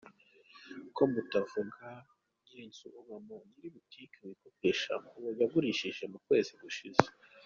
ko mutavuga nyiri inzu ubamo, nyiri butiki wikopeshamo, uwo wagujije mu kwezi gushize,.